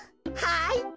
はい。